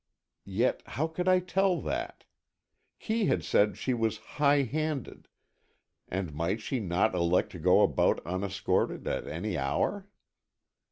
Yet, how could I tell that? Kee had said she was high handed, and might she not elect to go about unescorted at any hour?